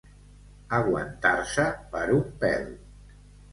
Aguantar-se per un pèl.